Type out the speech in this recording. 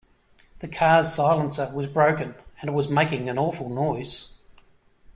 The car’s silencer was broken, and it was making an awful noise